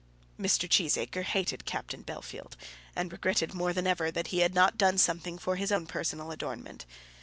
Mr. Cheesacre hated Captain Bellfield, and regretted more than ever that he had not done something for his own personal adornment.